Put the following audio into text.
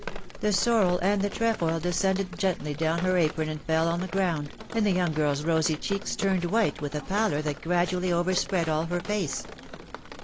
^^ The sorrel and the trefoil descended gently down her apron and fell on the ground, and the young giiTs rosy cheeks turned white with a pallor that gradually overspread all her face.